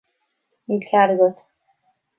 Níl cead agat.